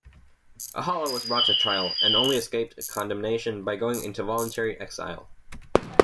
Ahala was brought to trial, and only escaped condemnation by going into voluntary exile.